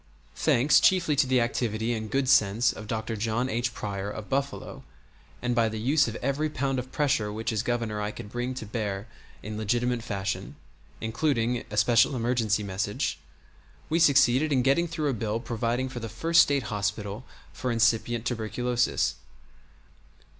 Thanks chiefly to the activity and good sense of Dr. John H. Pryor, of Buffalo, and by the use of every pound of pressure which as Governor I could bring to bear in legitimate fashion including a special emergency message we succeeded in getting through a bill providing for the first State hospital for incipient tuberculosis.